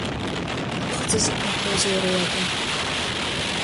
Аԥхӡы зықәнаҭәоз иара иакәын.